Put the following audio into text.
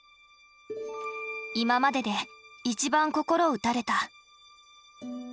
今までで一番心を打たれた。